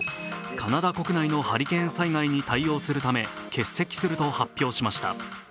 カナダ国内のハリケーン災害に対応するため欠席すると発表しました。